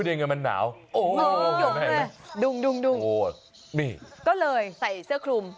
โอ้ยได้ยังไงมันหนาวโอ้ยดุงก็เลยใส่เสื้อคลุม